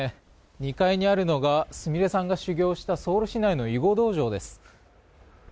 ２階にあるのが菫さんが修行したソウル市内の囲碁道場です。